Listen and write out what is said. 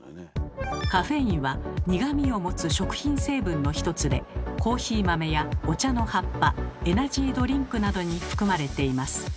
カフェインは苦みを持つ食品成分の一つでコーヒー豆やお茶の葉っぱエナジードリンクなどに含まれています。